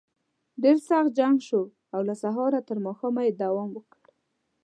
ډېر سخت جنګ شو او له سهاره تر ماښامه یې دوام وکړ.